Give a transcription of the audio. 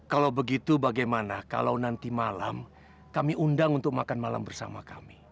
kalau begitu bagaimana kalau nanti malam kami undang untuk makan malam bersama kami